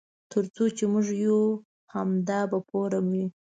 تر څو چې موږ یو همدا به فورم وي.